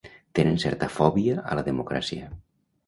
Tenen certa fòbia a la democràcia.